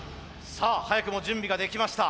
さあ早くも準備ができました。